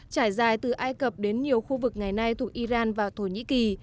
trải dài từ ai cập đến nhiều khu vực ngày nay thuộc iran và thổ nhĩ kỳ